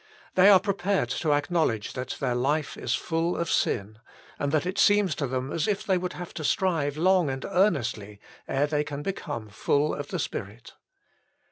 They are prepared to acknowledge that their life is full of sin, and that it seems to them as if they would have to strive long and earnestly, ere they can become full of the Spirit.